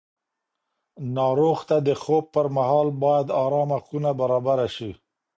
ناروغ ته د خوب پر مهال باید ارامه خونه برابره شي.